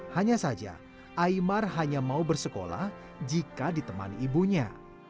hanya saja aymar hanya mau bersekolah jika ditemani ibunya